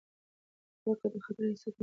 کرکه د خطر احساس رامنځته کوي.